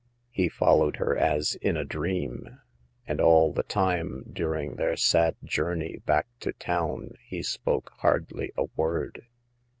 He followed her as in a dream, and all the time during their sad journey back to town he spoke hardly a word.